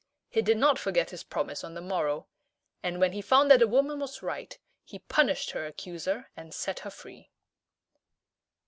He did not forget his promise on the morrow; and when he found that the woman was right, he punished her accuser, and set her free.